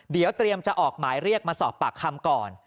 เดี๋ยวเตรียมจะออกหมายเรียกมาสอบปากคำก่อน